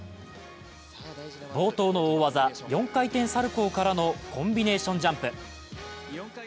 冒頭の大技、４回転サルコウからのコンビネーションジャンプ。